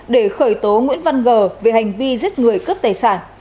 để khởi tố nguyễn văn gờ về hành vi giết người cướp tài sản